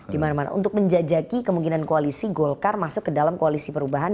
dimana mana untuk menjajaki kemungkinan koalisi golkar masuk ke dalam koalisi perubahan